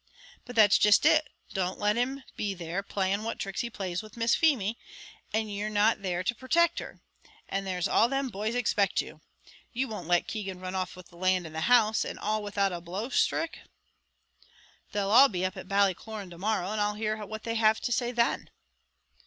"But that's jist it; don't let him be there playing what tricks he plazes with Miss Feemy, and you not there to purtect her and there's all them boys expect you. You won't let Keegan run off with land and house, and all without a blow sthrick?" "They'll all be up at Ballycloran to morrow, and I'll hear what they have to say then."